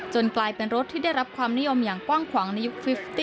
กลายเป็นรถที่ได้รับความนิยมอย่างกว้างขวางในยุคฟิสติ